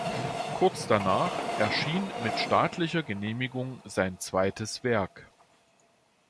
Kurz danach erschien mit staatlicher Genehmigung sein zweites Werk.